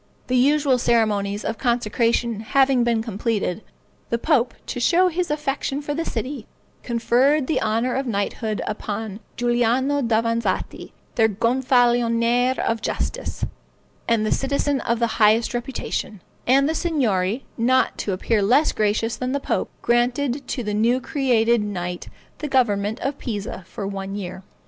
The usual ceremonies of consecration having been completed, the pope, to show his affection for the city, conferred the honor of knighthood upon Giuliano Davanzati, their Gonfalonier of Justice, and a citizen of the highest reputation; and the Signory, not to appear less gracious than the pope, granted to the new created knight the government of Pisa for one year.